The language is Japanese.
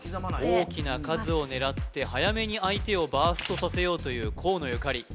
大きな数を狙って早めに相手をバーストさせようという河野ゆかり